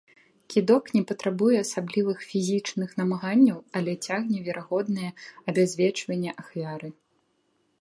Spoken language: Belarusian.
Кідок не патрабуе асаблівых фізічных намаганняў, але цягне верагоднае абязвечванне ахвяры.